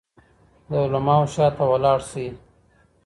د علماوو شاته ولاړ شئ.